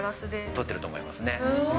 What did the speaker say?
撮ってると思いますね。